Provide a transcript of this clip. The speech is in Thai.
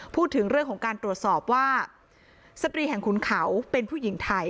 พูดถึงเรื่องของการตรวจสอบว่าสตรีแห่งขุนเขาเป็นผู้หญิงไทย